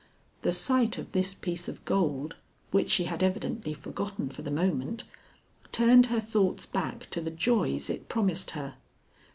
The sight of this piece of gold, which she had evidently forgotten for the moment, turned her thoughts back to the joys it promised her.